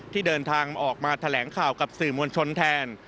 ที่เดินทางออกมาแถลงข่าวกับสื่อมวลชนแทน